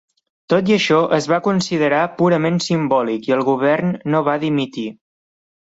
Tot i això, es va considerar purament simbòlic i el govern no va dimitir.